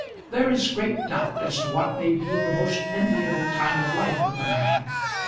There is great doubt as to what may be the most enviable time of life with a man.